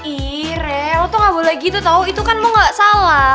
ih re lo tuh nggak boleh gitu tau itu kan lo nggak salah